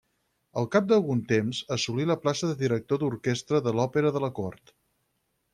Al cap d'algun temps, assolí la plaça de director d'orquestra de l'Òpera de la cort.